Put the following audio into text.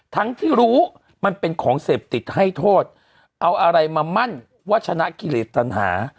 ทั้งที่รู้มันเป็นของเสพติดให้โทษเอาอะไรมามั่นว่าชนะกิเลสตัญหา